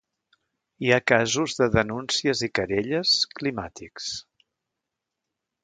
Hi ha casos de denúncies i querelles climàtics.